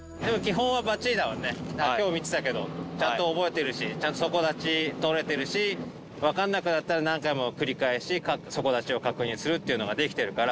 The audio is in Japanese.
今日見てたけどちゃんと覚えてるしちゃんと底立ちとれてるし分かんなくなったら何回も繰り返し底立ちを確認するっていうのができてるから。